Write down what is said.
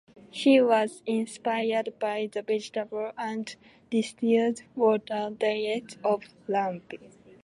He was inspired by the vegetable and distilled water diet of Lambe.